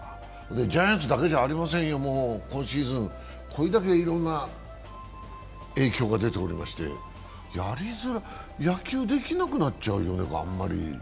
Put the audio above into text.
ジャイアンツだけではありませんよ、今シーズン、これだけいろんな影響が出ておりまして、野球できなくなっちゃうよね、あんまり。